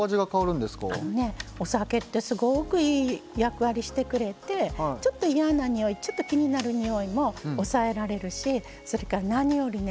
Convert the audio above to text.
あのねお酒ってすごくいい役割してくれてちょっと嫌なにおいちょっと気になるにおいも抑えられるしそれから何よりね